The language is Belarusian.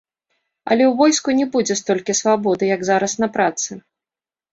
Але ў войску не будзе столькі свабоды, як зараз на працы.